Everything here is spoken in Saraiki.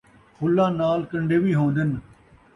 پھلاں نال کنڈے وی ہوندن